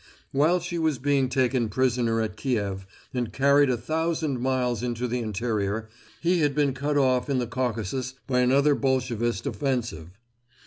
While she was being taken prisoner at Kiev and carried a thousand miles into the interior, he had been cut off in the Caucasus by another Bolshevist offensive.